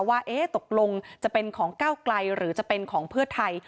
ว่าตกลงจะเป็นของก้าวไกลหรือจะเป็นของเพื่อไทย